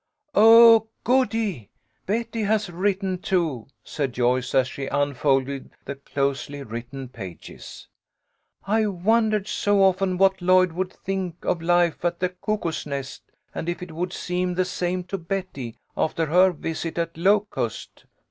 " Oh, goody ! Betty has written, too," said Joyce, as she unfolded the closely written pages. " I've won dered so often what Lloyd would think of life at the Cuckoo's Nest, and if it would seem the same to Betty after her visit at Locust."